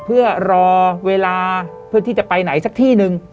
เพื่อรอเวลาเพื่อที่จะไปไหนสักที่หนึ่ง